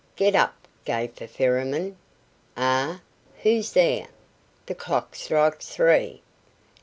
"Get up, gaffer Ferryman," "Eh! Who is there?" The clock strikes three.